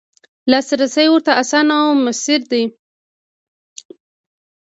لاسرسی ورته اسانه او میسر دی.